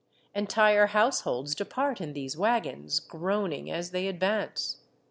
Entire households depart in these wagons, groaning as they advance.